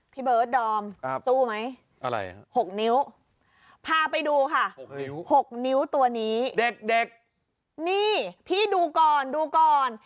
พี่เบิร์ดดอมสู้ไหมหกนิ้วพาไปดูค่ะหกนิ้วตัวนี้นี่พี่ดูก่อนดูก่อน